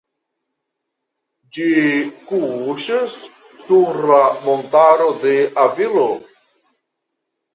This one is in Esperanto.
Ĝi kuŝas sur la Montaro de Avilo.